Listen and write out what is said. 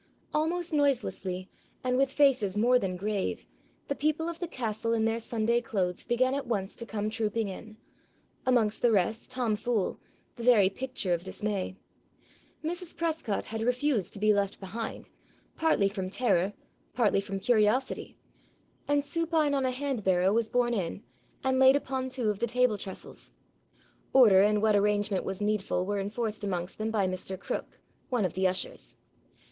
Almost noiselessly, and with faces more than grave, the people of the castle in their Sunday clothes began at once to come trooping in, amongst the rest Tom Fool, the very picture of dismay. Mrs. Prescot had refused to be left behind, partly from terror, partly from curiosity, and supine on a hand barrow was borne in, and laid upon two of the table trestles. Order and what arrangement was needful were enforced amongst them by Mr. Cook, one of the ushers.